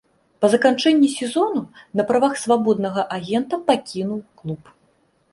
Па заканчэнні сезону на правах свабоднага агента пакінуў клуб.